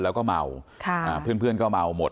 แล้วก็เมาค่ะอ่าเพื่อนเพื่อนก็เมาหมด